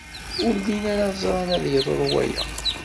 Ur llin ara ẓran ad yeḍru waya.